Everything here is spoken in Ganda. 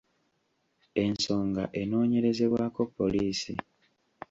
Ensonga enoonyerezebwako poliisi.